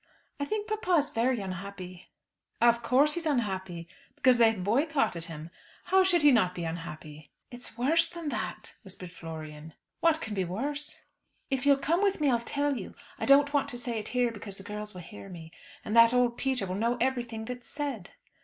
I think papa is very unhappy." "Of course he's unhappy, because they have boycotted him. How should he not be unhappy." "It's worse than that," whispered Florian. "What can be worse?" "If you'll come with me I'll tell you. I don't want to say it here, because the girls will hear me; and that old Peter will know everything that's said."